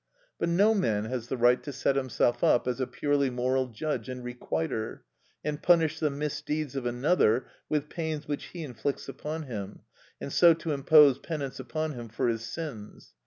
But no man has the right to set himself up as a purely moral judge and requiter, and punish the misdeeds of another with pains which he inflicts upon him, and so to impose penance upon him for his sins.